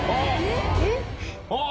あっ！